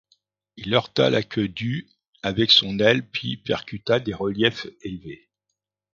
Il heurta la queue du avec son aile, puis percuta des reliefs élevés.